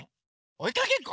おいかけっこ？